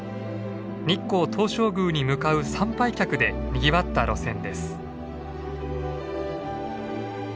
日光東照宮に向かう参拝客でにぎわった路線です。